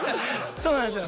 そうなんですよ。